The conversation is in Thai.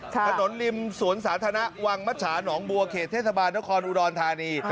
ถนนริมสวนสาธารณะวังมัชชาหนองบัวเขตเทศบาลนครอุดรธานี